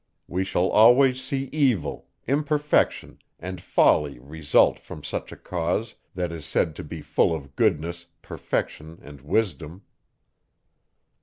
We shall always see evil, imperfection and folly result from such a cause, that is said to be full of goodness, perfection and wisdom.